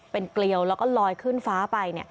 เป็นเกลียวแล้วก็ลอยขึ้นฟ้าไป